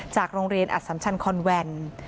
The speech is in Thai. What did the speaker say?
จากโรงเรียนอัศสำชันคอนแวน